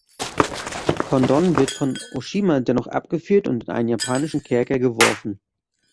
Condon wird von Oshima dennoch abgeführt und in einen japanischen Kerker geworfen.